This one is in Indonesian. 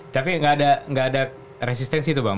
tapi nggak ada resistensi tuh bang